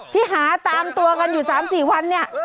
ที่หาตามตัวกันอยู่๓๔วันเนี่ย